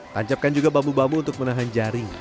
tancapkan juga bambu bambu untuk menahan jaring